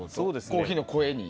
コーヒーの声に。